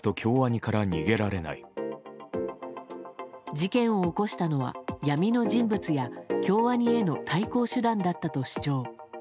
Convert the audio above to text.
事件を起こしたのは闇の人物や京アニへの対抗手段だったと主張。